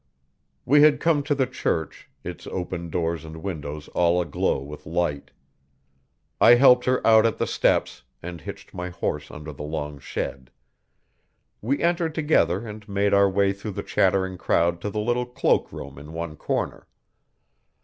We had come to the church, its open doors and windows all aglow with light. I helped her out at the steps, and hitched my horse under the long shed. We entered together and made our way through the chattering crowd to the little cloakroom in one corner.